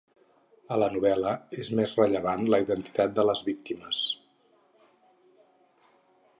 A la novel·la és més rellevant la identitat de les víctimes.